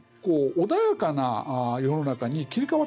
穏やかな世の中に切り替わったんですよ。